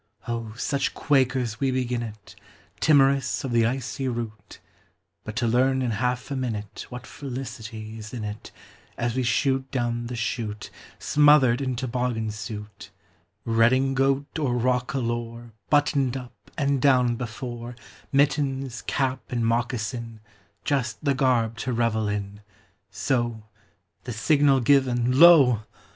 Oh, such quakers we begin it, Timorous of the icy route! But to learn in half a minute What felicity is in it, As we shoot down the chute, Smothered in toboggan suit, Redingote or roquelaure, Buttoned up (and down) before, Mittens, cap, and moccasin, Just the garb to revel in; So, the signal given, lo!